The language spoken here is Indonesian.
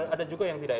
ada juga yang tidak